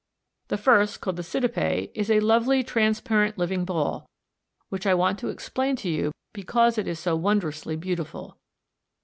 The first, called the Cydippe, is a lovely, transparent living ball, which I want to explain to you because it is so wondrously beautiful.